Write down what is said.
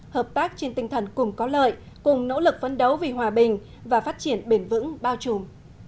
hợp tác trên tinh thần cùng có lợi cùng nỗ lực phấn đấu vì hòa bình và phát triển bền vững bao trùm